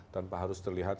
tanpa harus terlihat